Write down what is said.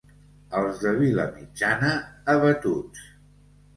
Els de Vilamitjana, abatuts.